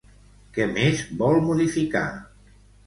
Què més vol modificar?